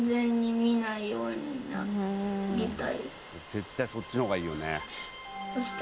絶対そっちの方がいいよね。